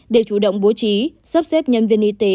để chủ động bố trí sắp xếp nhân viên y tế